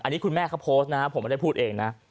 อันนี้คุณแม่เขาโพสต์นะผมไม่ได้พูดเองนะ